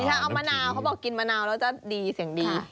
เดี๋ยวดิฉันเอามะนาวเขาบอกกินมะนาวแล้วจะดีเสียงดี